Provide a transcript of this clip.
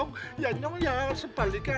tapi saya harus bantu pak haji